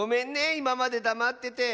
いままでだまってて。